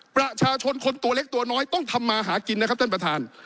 ประชาชนคนตัวเล็กตัวน้อยต้องทำมาหากินนะครับท่านประธาน